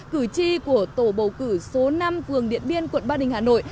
cử tri của tổ bầu cử số năm phường điện biên quận ba đình hà nội